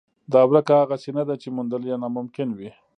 دا ورکه هغسې نه ده چې موندل یې ناممکن وي.